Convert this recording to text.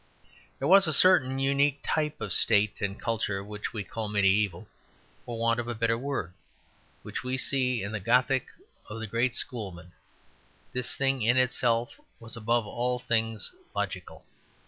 There was a certain unique type of state and culture which we call mediæval, for want of a better word, which we see in the Gothic or the great Schoolmen. This thing in itself was above all things logical.